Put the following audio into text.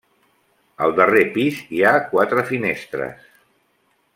Al darrer pis hi ha quatre finestres.